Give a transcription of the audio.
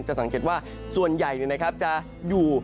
สังเกตว่าส่วนใหญ่จะอยู่